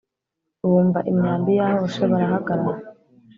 bumva imyambi yahoshe barahagarara